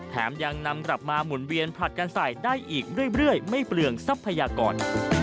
ยังนำกลับมาหมุนเวียนผลัดกันใส่ได้อีกเรื่อยไม่เปลืองทรัพยากร